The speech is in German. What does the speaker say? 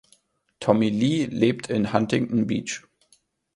Tommy Le lebt in Huntington Beach.